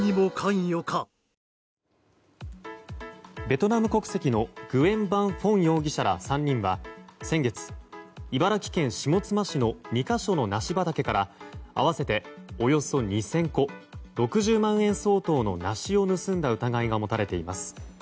ベトナム国籍のグエン・ヴァン・フォン容疑者ら３人は先月、茨城県下妻市の２か所の梨畑から合わせておよそ２０００個６０万円相当の梨を盗んだ疑いが持たれています。